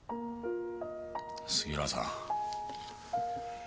杉浦さん。